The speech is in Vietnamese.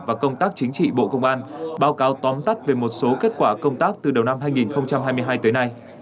và công tác chính trị bộ công an báo cáo tóm tắt về một số kết quả công tác từ đầu năm hai nghìn hai mươi hai tới nay